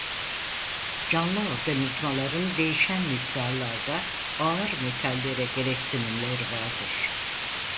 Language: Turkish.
Canlı organizmaların değişen miktarlarda "ağır metallere" gereksinimleri vardır.